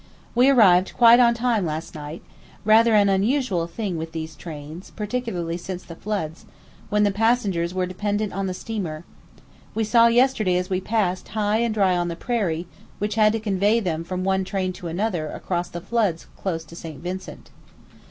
We arrived "quite on time" last night, rather an unusual thing with these trains, particularly since the floods, when the passengers were dependent on the steamer, we saw yesterday as we passed high and dry on the prairie, which had to convey them from one train to another across the floods close to St. Vincent.